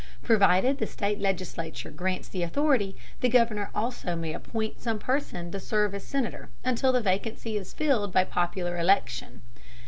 Provided the state legislature grants the authority, the Governor also may appoint some person to serve as Senator until the vacancy is filled by popular election.